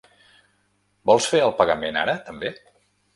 Vols fer el pagament ara també?